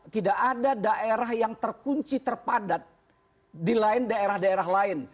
tidak ada daerah yang terkunci terpadat di lain daerah daerah lain